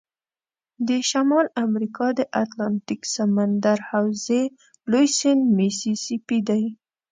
د شمال امریکا د اتلانتیک سمندر حوزې لوی سیند میسی سی پي دی.